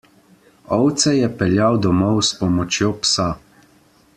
Ovce je peljal domov s pomočjo psa.